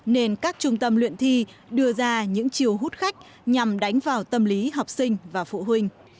nên các trung tâm luyện thi đưa ra những chiều hút khách nhằm đánh vào tâm lý học sinh và phụ huynh